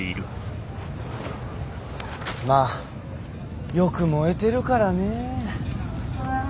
まあよく燃えてるからねえ。